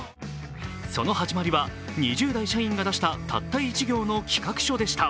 その始まりは２０代社員が出したたった１行の企画書でした。